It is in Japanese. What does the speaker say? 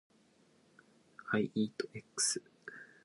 I eat eggs.